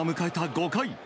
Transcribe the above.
５回。